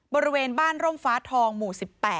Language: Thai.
บริเวณบ้านร่มฟ้าทองหมู่๑๘